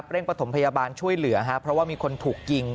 เร่งปฐมพยาบาลช่วยเหลือครับเพราะว่ามีคนถูกยิง